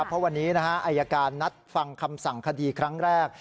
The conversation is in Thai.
เพราะวันนี้อายการนัดฟังคำสั่งคดีครั้งแรก